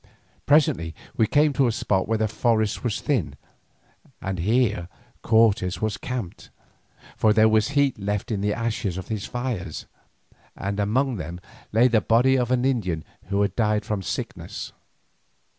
Presently we came to a spot where the forest was thin, and here Cortes had camped, for there was heat left in the ashes of his fires, and among them lay the body of an Indian who had died from sickness.